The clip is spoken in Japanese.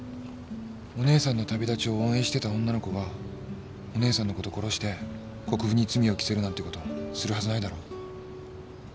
お姉さんの旅立ちを応援してた女の子がお姉さんのこと殺して国府に罪を着せるなんてことするはずないだろう。